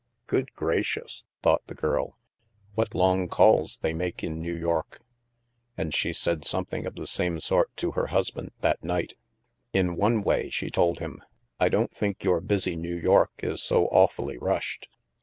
" Good gracious," thought the girl, " what long calls they make in New York." And she said some I30 THE ^L\SK thing of the same sort to her husband that night " In one way," she told him, " I don't think your busy New York is so awfully rushed."